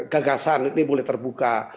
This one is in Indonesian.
gagasan ini boleh terbuka